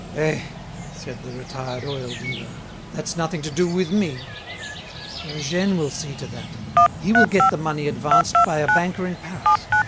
"Eh!" said the retired oil dealer, "that's nothing to do with me; Eugène will see to that. He will get the money advanced by a banker in Paris.